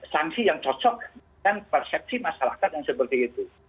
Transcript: sanksi yang cocok dengan persepsi masyarakat yang seperti itu